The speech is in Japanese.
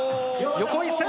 横一線。